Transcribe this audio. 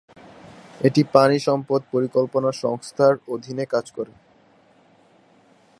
এটি পানি সম্পদ পরিকল্পনা সংস্থার অধীনে কাজ করে।